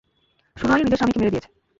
সুনয়নী নিজের স্বামীকে মেরে দিয়েছে।